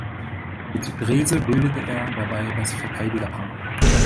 Mit Drese bildete er dabei das Verteidigerpaar.